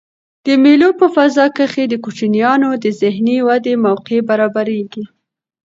د مېلو په فضا کښي د کوچنيانو د ذهني ودي موقع برابریږي.